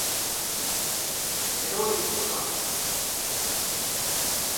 E non o dicimos nós.